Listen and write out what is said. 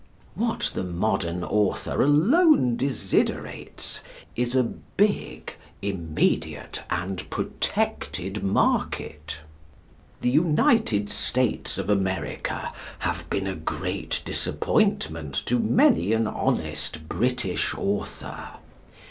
] What the modern author alone desiderates is a big, immediate, and protected market. The United States of America have been a great disappointment to many an honest British author.